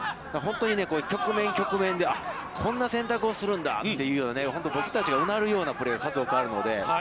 本当に局面局面でこんな選択をするんだという、本当僕たちがうなるようなプレーが数多くあるので。